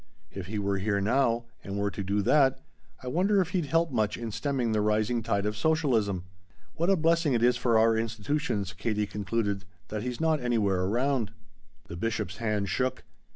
If he were here now, and were to do that, I wonder if he'd help much in 'stemming the rising tide of socialism' What a blessing it is for our institutions," Katie concluded, "that he's not anywhere around." The Bishop's hand shook.